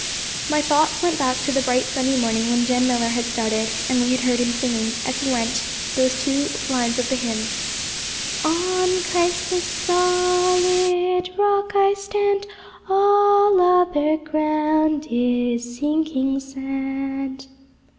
My thoughts went back to the bright sunny morning when Jem Millar had started, and we had heard him singing, as he went, those two lines of the hymn, 'On Christ, the solid Rock, I stand, All other ground is sinking sand.'